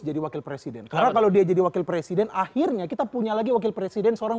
wakil presiden karena kalau dia jadi wakil presiden akhirnya kita punya lagi wakil presiden seorang